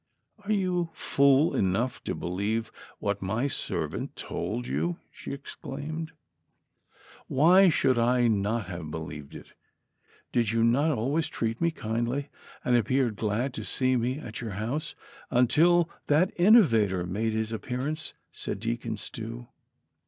"And you were fool 'enough to believe what my servant told you !" she exclaimed. " Why should I not have believed it V Did you not al ways treat me kindly, and appeared glad to see me at your house, until that innovator made his appearance V " said Deacon Stew.